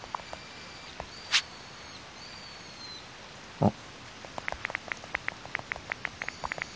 あっ。